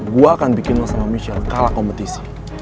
gue akan bikin lo sama michelle kalah kompetisi